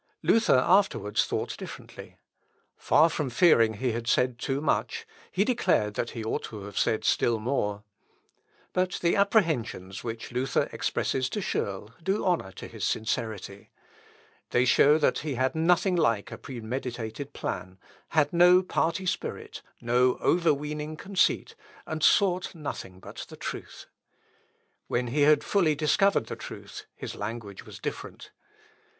Luther afterwards thought differently. Far from fearing he had said too much, he declared that he ought to have said still more. But the apprehensions which Luther expresses to Scheurl do honour to his sincerity. They show that he had nothing like a premeditated plan, had no party spirit, no overweening conceit, and sought nothing but the truth. When he had fully discovered the truth, his language was different.